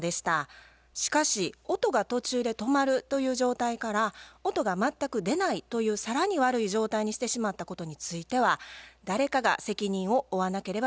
しかし音が途中で止まるという状態から音が全く出ないという更に悪い状態にしてしまったことについては誰かが責任を負わなければならないでしょう。